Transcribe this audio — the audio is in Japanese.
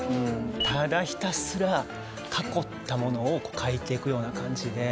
ただひたすら囲ったものを描いていくような感じで。